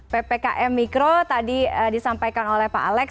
ppkm mikro tadi disampaikan oleh pak alex